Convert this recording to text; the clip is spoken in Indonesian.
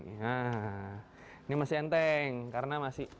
nah ini masih enteng karena masih